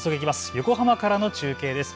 横浜からの中継です。